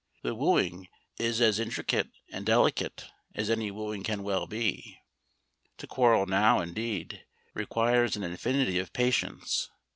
The wooing is as intricate and delicate as any wooing can well be. To quarrel now, indeed, requires an infinity of patience.